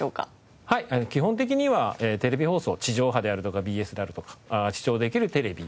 基本的にはテレビ放送地上波であるとかＢＳであるとか視聴できるテレビ。